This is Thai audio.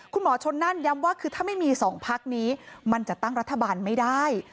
คุณหมอชนนั่นย้ำว่าคือถ้าไม่มี๒พักนี้มันจะตั้งรัฐบาลไม่ได้